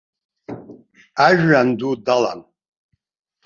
Ажәҩан ду далан.